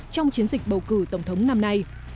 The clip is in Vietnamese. trong chiến dịch bầu cử tổng thống năm nay